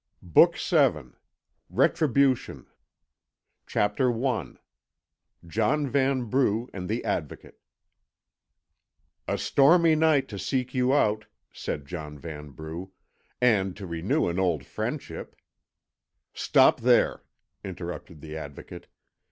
BOOK VII. RETRIBUTION CHAPTER I JOHN VANBRUGH AND THE ADVOCATE "A stormy night to seek you out," said John Vanbrugh, "and to renew an old friendship " "Stop there," interrupted the Advocate.